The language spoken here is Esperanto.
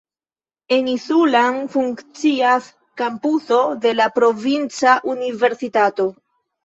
En Isulan funkcias kampuso de la provinca universitato.